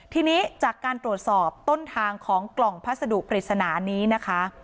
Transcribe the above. ทีนี้จากการตรวจสอบต้นทางของกล่องพัสดุปริศนานี้นะคะ